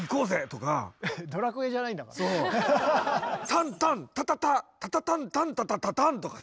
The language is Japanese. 「タンタンタタタタタタンタンタタタターン」とか。